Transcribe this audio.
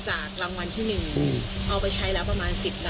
จากรางวัลที่หนึ่งอืมเอาไปใช้แล้วประมาณสิบล้าน